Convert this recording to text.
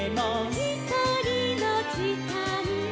「ひとりのじかんも」